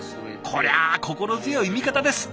こりゃあ心強い味方です。